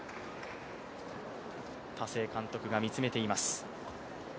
田勢監督が見つめています。